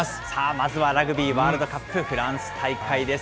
まずはラグビーワールドカップフランス大会です。